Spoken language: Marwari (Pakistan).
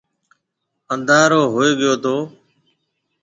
انڌارو ھوئي گيو تو۔